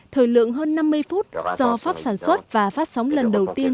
thời lượng hơn năm mươi phút do pháp sản xuất và phát sóng lần đầu tiên